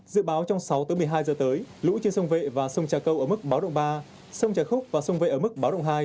dự báo trong sáu tới một mươi hai giờ tới lũ trên sông vệ và sông trà câu ở mức báo động ba sông trà khúc và sông vệ ở mức báo động hai